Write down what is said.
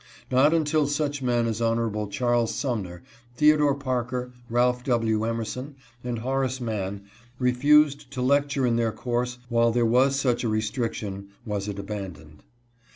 Not until such men as Hon. Chas. Sumner, Theodore Parker, Ralph W. Emerson, and Horace Mann refused to lecture in their course while there was such a restriction was it aban doned.